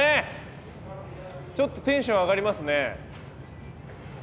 ちょっとテンション上がりますね。